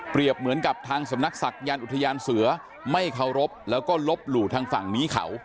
เหมือนกับทางสำนักศักยานอุทยานเสือไม่เคารพแล้วก็ลบหลู่ทางฝั่งนี้เขา